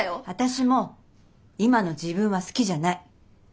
私も今の自分は好きじゃない。